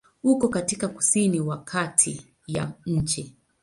Uko katika kusini ya kati ya nchi.